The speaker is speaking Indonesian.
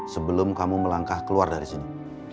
sebelum kamu melangkah keluar dari sini